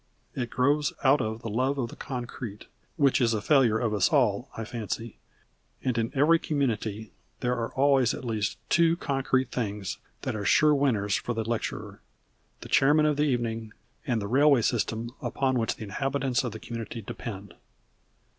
It grows out of the love of the concrete which is a failure of us all, I fancy and in every community there are always at least two concrete things that are sure winners for the lecturer the chairman of the evening, and the railway system upon which the inhabitants of the community depend.